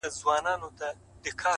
هره ورځ د نوې ودې فرصت لري!.